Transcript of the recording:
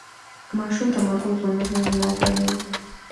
که ماشوم تمرکز ونه کړي، ملاتړ یې وکړئ.